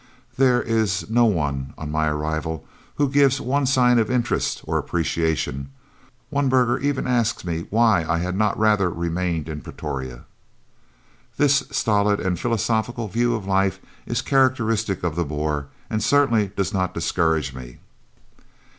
There is no one, on my arrival, who gives one sign of interest or appreciation; one burgher even asks me why I had not rather remained in Pretoria. "This stolid and philosophic view of life is characteristic of the Boer and certainly does not discourage me.